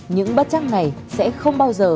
những bất chắc này sẽ không bao giờ